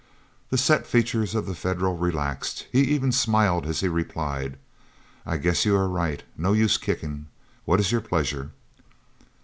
The set features of the Federal relaxed, he even smiled as he replied: "I guess you are right. No use kicking. What is your pleasure?"